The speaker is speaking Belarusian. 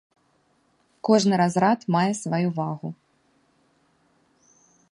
Кожны разрад мае сваю вагу.